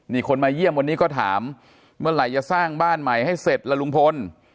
นี่คนมาเยี่ยมวันนี้ก็ถามเมื่อไหร่จะสร้างบ้านใหม่ให้เสร็จละลุงพล